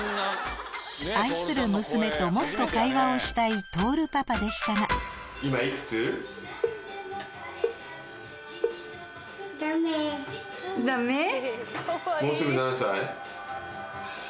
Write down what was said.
愛する娘ともっと会話をしたいトオルパパでしたがダメ？